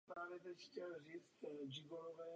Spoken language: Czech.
Patří do děkanství Česká Třebová.